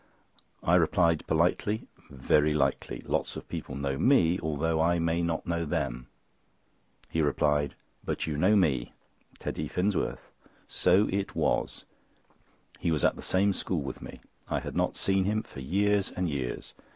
I replied politely: "Very likely; lots of people know me, although I may not know them." He replied: "But you know me—Teddy Finsworth." So it was. He was at the same school with me. I had not seen him for years and years.